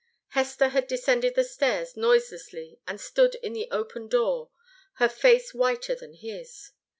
Hester had descended the stairs noiselessly and stood in the open door, her face whiter than his.